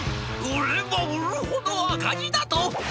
売れば売るほど赤字だと？